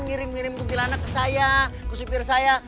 ngirim ngirim kuntilanak ke saya ke supir saya